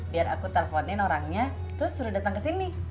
biar aku telponin orangnya terus suruh datang ke sini